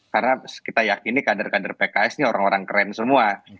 karena kita yakini kader kader pks ini orang orang keren semua